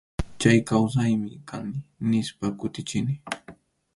Chay kawsaymi kani, nispa kutichini.